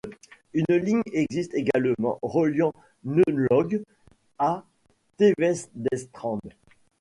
Une ligne existe également reliant Nelaug à Tvedestrand.